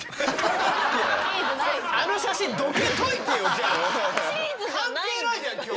あの写真関係ないじゃん今日。